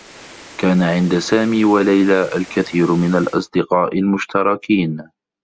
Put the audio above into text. كان عند سامي و ليلى الكثير من الأصدقاء المشتركين.